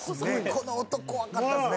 「この音怖かったですね。